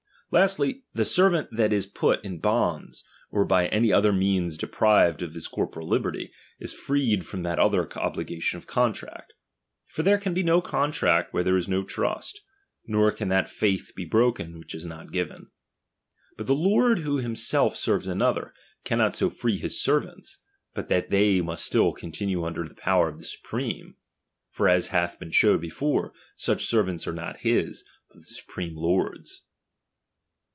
Lastly, t ^fae servant that is put in bonds, or by any other Mzacaeans deprived of his corporal liberty, is freed f»r om that other obligation of contract. For there ci^.^n be no contract where there is no trust, nor c:!=^u that faith be broken which is not given. But ■■ lord who himself serves another, cauuot so — ee his servants, but that they must still continue muxider the power of the supreme ; for, as hath Vz» cen shewed before, such servants are not bis, but "^"tie supreme lord's.